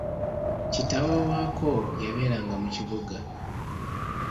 Kitaawe waako, yabeeranga mu kibuga.